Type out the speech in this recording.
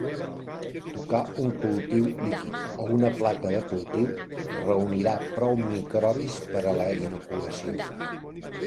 Tocar un cultiu líquid o una placa de cultiu reunirà prou microbis per a la inoculació.